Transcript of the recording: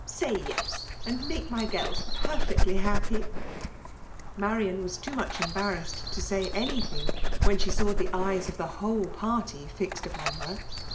Say yes, and make mj girls perfiectly happy ?'* Marian was too much embamssed to saj anything, when she saw the eyes of the whole party fixed upon her.